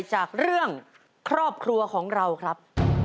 จากเรื่องครอบครัวของเราครับ